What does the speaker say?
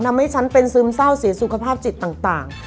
ทำให้ฉันเป็นซึมเศร้าเสียสุขภาพจิตต่าง